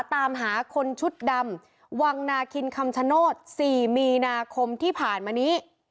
ตามหาคนชุดดำวังนาคินคำชโนธ๔มีนาคมที่ผ่านมานี้